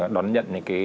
đón nhận những cái